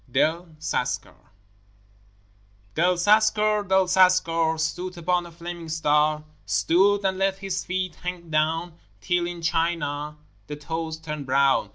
DEL CASCAR Del Cascar, Del Cascar, Stood upon a flaming star, Stood, and let his feet hang down Till in China the toes turned brown.